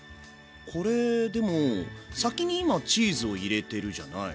これでも先に今チーズを入れてるじゃない。